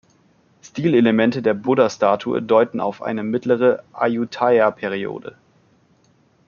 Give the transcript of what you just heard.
Stilelemente der Buddha-Statue deuten auf eine mittlere Ayutthaya-Periode.